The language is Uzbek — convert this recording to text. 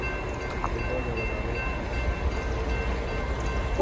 Bugʻdoy dalalari yashil tusga kiribdi.